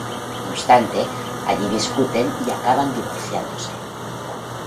No obstante, allí discuten y acaban divorciándose.